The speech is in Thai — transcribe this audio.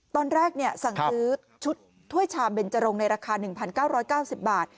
ตอนแรกสั่งซื้อชุดถ้วยชามเบนจรงในราคา๑๙๙๐บาท